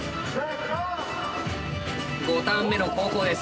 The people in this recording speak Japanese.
５ターン目の後攻です。